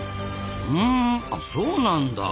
うんそうなんだ。